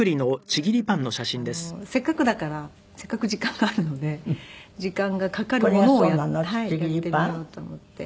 コロナ禍でせっかくだからせっかく時間があるので時間がかかるものをやってみようと思って。